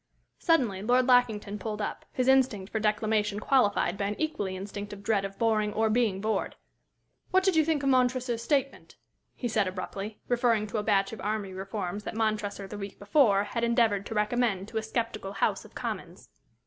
Suddenly, Lord Lackington pulled up, his instinct for declamation qualified by an equally instinctive dread of boring or being bored. "What did you think of Montresor's statement?" he said, abruptly, referring to a batch of army reforms that Montresor the week before had endeavored to recommend to a sceptical House of Commons.